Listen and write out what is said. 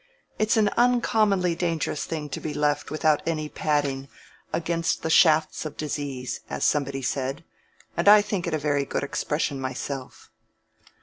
"It's an uncommonly dangerous thing to be left without any padding against the shafts of disease, as somebody said,—and I think it a very good expression myself."